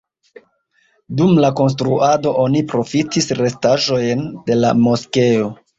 Dum la konstruado oni profitis restaĵojn de la moskeo.